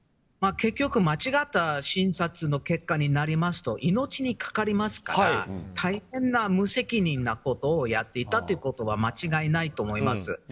結局、間違った診察の結果になりますと命に関わりますから大変な無責任なことをやっていたということは間違いないと思います。